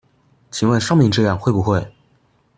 請問上面這樣會不會